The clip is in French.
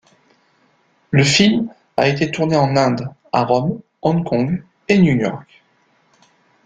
Le film a été tourné en Inde, à Rome, Hong Kong et New York.